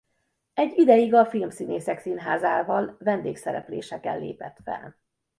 Egy ideig a Filmszínészek Színházával vendégszerepléseken lépett fel.